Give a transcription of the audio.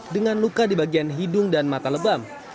dengan luka di bagian hidung dan mata lebam